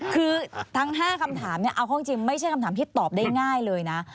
คือทั้ง๕คำถามเนี่ยเอาเข้าจริงไม่ใช่คำถามที่ตอบได้ง่ายเลยนะ